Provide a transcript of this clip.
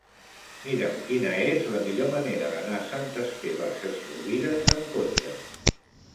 Mira'm quina és la millor manera d'anar a Sant Esteve Sesrovires amb cotxe.